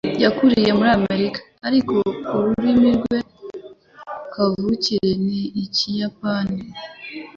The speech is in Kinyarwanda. Yakuriye muri Amerika, ariko ururimi rwe kavukire ni Ikiyapani.